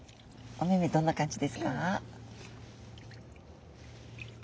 お目目どんな感じですか？